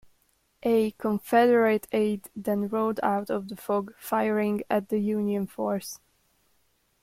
A Confederate aide then rode out of the fog firing at the Union force.